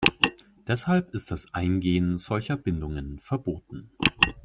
Deshalb ist das Eingehen solcher Bindungen verboten.